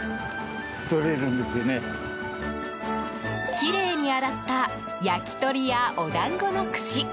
きれいに洗った焼き鳥やお団子の串。